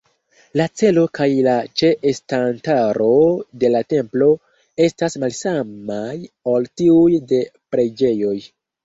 La celo kaj la ĉe-estantaro de la templo estas malsamaj ol tiuj de preĝejoj.